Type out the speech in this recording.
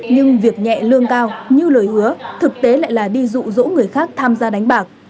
nhưng việc nhẹ lương cao như lời hứa thực tế lại là đi rụ rỗ người khác tham gia đánh bạc